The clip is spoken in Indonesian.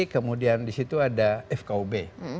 kemudian disitu ada fkob